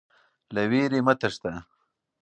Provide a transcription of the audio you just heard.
له ویرې مه تښته.